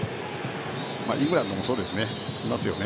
イングランドもそうですね。